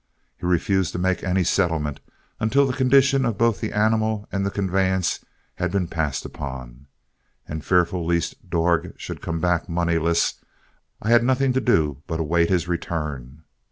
He refused to make any settlement until the condition of both the animal and the conveyance had been passed upon, and fearful lest Dorg should come back moneyless, I had nothing to do but await his return.